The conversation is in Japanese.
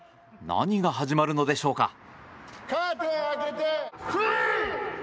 何が始まるのでしょうか。